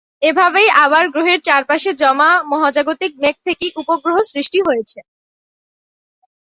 এভাবেই আবার গ্রহের চারপাশে জমা মহাজাগতিক মেঘ থেকেই উপগ্রহ সৃষ্টি হয়েছে।